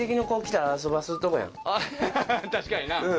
確かにな。